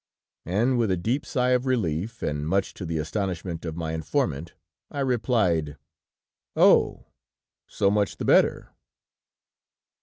"And with a deep sigh of relief, and much to the astonishment of my informant, I replied: "'Oh! so much the better!'"